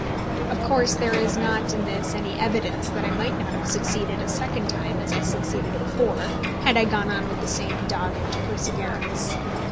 Of course there is not in this any evidence that I might not have succeeded a second time as I succeeded before, had I gone on with the same dogged perseverance.